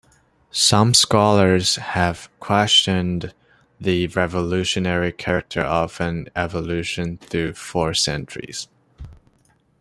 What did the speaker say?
Some scholars have questioned the revolutionary character of an evolution through four centuries.